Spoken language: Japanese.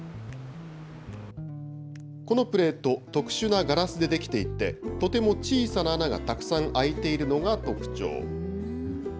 このプレート、特殊なガラスで出来ていて、とても小さな穴がたくさん開いているのが特徴。